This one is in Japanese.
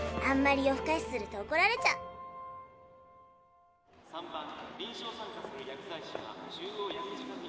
あんまり夜ふかしするとおこられちゃう。